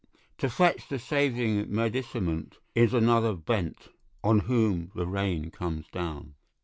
To fetch the saving medicament Is another bent, On whom the rain comes down.